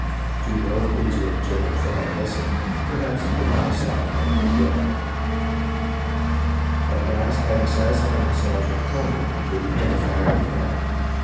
To no pleas w^ould General Tryon listen ; perhaps he could not have stopped the men if he would. At last, having satisfied themselves with plunder, they began to fire the town.